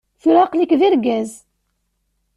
Tura aql-ik d argaz.